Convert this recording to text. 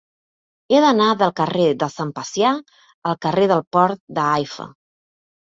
He d'anar del carrer de Sant Pacià al carrer del Port de Haifa.